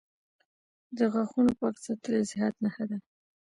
• د غاښونو پاک ساتل د صحت نښه ده.